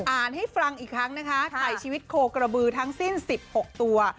อ่านให้ฟังอีกครั้งนะคะถ่ายชีวิตโคกระบือทั้งสิ้น๑๖ตัว